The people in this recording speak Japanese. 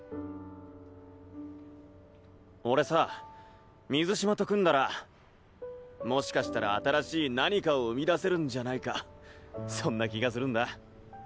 俺さ水嶋と組んだらもしかしたら新しい何かを生み出せるんじゃないかそんな気がするんだ。